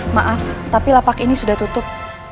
maaf tapi lapak ini sudah tutup